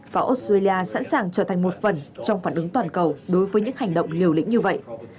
và australia sẵn sàng trở thành một phần trong phản ứng toàn cầu đối với những hành động liều lĩnh như vậy